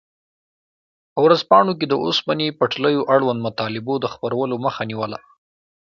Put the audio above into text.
په ورځپاڼو کې د اوسپنې پټلیو اړوند مطالبو د خپرولو مخه نیوله.